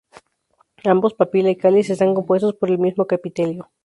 Ambos, papila y cáliz, están compuestos por el mismo epitelio.